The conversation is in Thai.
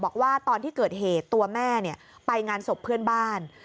บอกว่าตอนที่เกิดเหตุตัวแม่ไปงานศพเพื่อนบ้าน